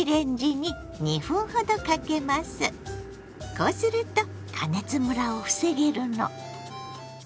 こうすると加熱むらを防げるの。